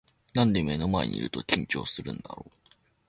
なんで目の前にいると緊張するんだろう